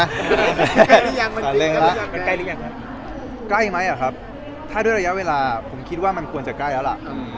แต่เล็งแล้วมันใกล้หรือยังไงใกล้ไหมหรอครับถ้าด้วยระยะเวลาผมคิดว่ามันควรจะใกล้แล้วล่ะ